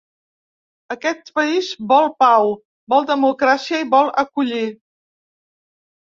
Aquest país vol pau, vol democràcia i vol acollir.